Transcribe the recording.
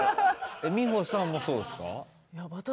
美穂さんもそうですか？